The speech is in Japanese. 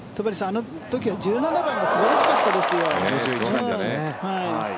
あの時は１７番素晴らしかったですよ。